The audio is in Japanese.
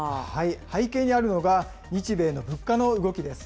背景にあるのが、日米の物価の動きです。